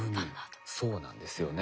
そうなんですよね。